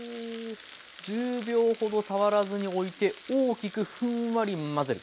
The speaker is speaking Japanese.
１０秒ほど触らずにおいて大きくふんわり混ぜる。